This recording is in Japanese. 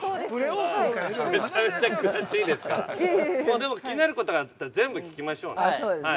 でも、気になることがあったら全部聞きましょうね。